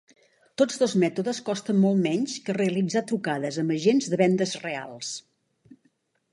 Tots dos mètodes costen molt menys que realitzar trucades amb agents de vendes reals.